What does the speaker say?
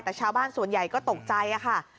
แต่ชาวบ้านส่วนใหญ่ก็ตกใจค่ะ